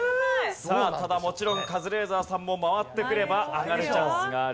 ただもちろんカズレーザーさんも回ってくれば上がるチャンスがある。